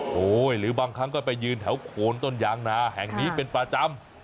โอ้โหหรือบางครั้งก็ไปยืนแถวโคนต้นยางนาแห่งนี้เป็นประจำ